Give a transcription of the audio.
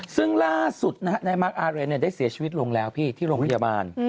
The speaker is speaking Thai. ซึ่งล่าสุดนะฮะนายมาร์คอาเรนได้เสียชีวิตลงแล้วพี่ที่โรงพยาบาล